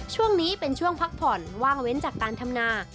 ช่วงนี้เป็นช่วงพักผ่อนว่างเว้นจากการทำนา